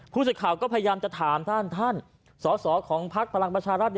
ผู้สื่อข่าวก็พยายามจะถามท่านสอสอของพักพลังประชารัฐ